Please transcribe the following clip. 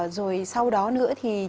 rồi sau đó nữa thì chúng ta